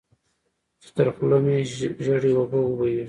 چې تر خوله مې ژېړې اوبه وبهېږي.